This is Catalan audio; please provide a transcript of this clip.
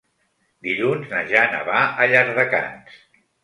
Dilluns na Jana va a Llardecans.